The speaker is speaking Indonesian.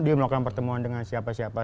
dia melakukan pertemuan dengan siapa siapa